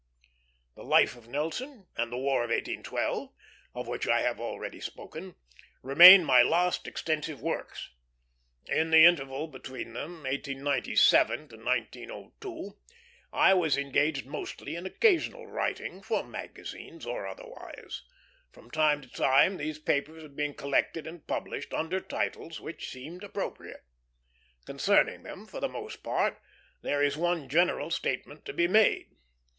The Life of Nelson, and The War of 1812, of which I have already spoken, remain my last extensive works. In the interval between them, 1897 1902, I was engaged mostly in occasional writing, for magazines or otherwise. From time to time these papers have been collected and published, under titles which seemed appropriate. Concerning them, for the most part, there is one general statement to be made.